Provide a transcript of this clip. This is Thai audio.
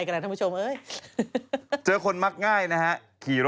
คืออย่างงี้